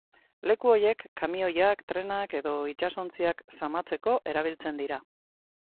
Leku horiek kamioiak, trenak edo itsasontziak zamatzeko erabiltzen dira.